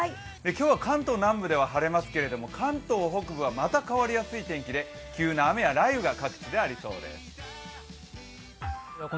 今日は関東南部では晴れますが、関東北部はまた変わりやすい天気で急な雨や雷雨が各地でありそうです。